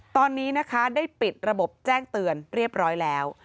ตอนนี้นะคะได้ปิดระบบแจ้งเตือนเรียบร้อยแล้ว